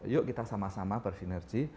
yuk kita sama sama bersinergi